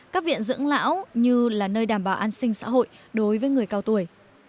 các viện dưỡng lão như là nơi đảm bảo an sinh xã hội đối với người cao tuổi